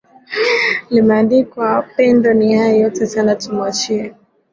limeandika pendo ni hayo asante sana tumwachie